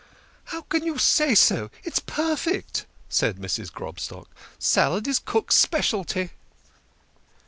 "How can you say so? It's perfect," said Mrs. Grob stock. " Salad is cook's speciality."